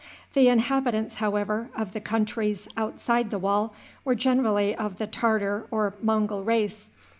The inhabitants, however, of the countries outside the wall were generally of the Tartar or Mongul race.